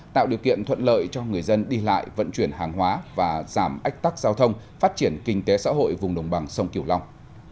tạo điều kiện thuận lợi cho người dân đi lại vận chuyển hàng hóa và giảm ách tắc giao thông phát triển kinh tế xã hội vùng đồng bằng sông kiểu long